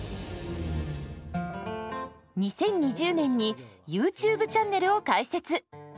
２０２０年にユーチューブチャンネルを開設。